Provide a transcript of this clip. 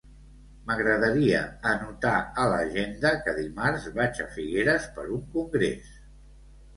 M'agradaria anotar a l'agenda que dimarts vaig a Figueres per un congrés.